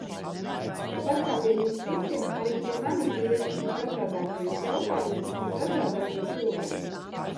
Tāpat kā pie jums visiem, arī pie manis griežas visdažādākajos jautājumos visdažādākie cilvēki.